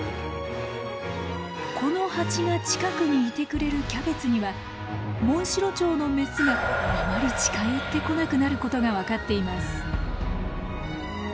この蜂が近くにいてくれるキャベツにはモンシロチョウのメスがあまり近寄ってこなくなることが分かっています。